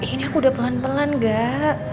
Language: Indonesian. ini aku udah pelan pelan gak